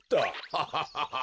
ハハハハ！